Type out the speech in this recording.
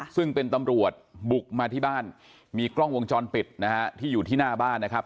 ซึ่งเป็นตำรวจบุกมาที่บ้านมีกล้องวงจรปิดนะฮะที่อยู่ที่หน้าบ้านนะครับ